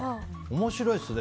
面白いですね。